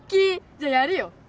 じゃやるよ